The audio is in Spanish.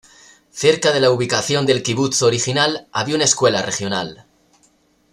Cerca de la ubicación del kibutz original, había una escuela regional.